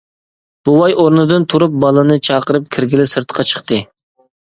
بوۋاي ئورنىدىن تۇرۇپ بالىنى چاقىرىپ كىرگىلى سىرتقا چىقتى.